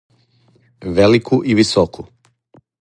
велику и високу